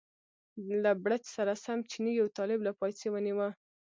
له بړچ سره سم چیني یو طالب له پایڅې ونیوه.